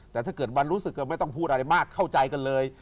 แต่ถ้าเกิดวันรู้สึกก็ไม่ต้องพูดอะไรมากเข้าใจกันเลย